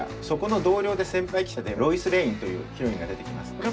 そこの同僚で先輩記者でロイス・レインというヒロインが出てきます。